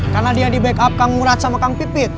karena dia di backup kang murad sama kang pipit